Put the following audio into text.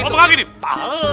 kalau mengagi nih